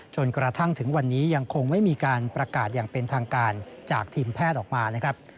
จนกระทั่งถึงวันนี้ยังคงไม่มีการประกาศอย่างเป็นทางการจากทีมแพทย์ออกมานะครับ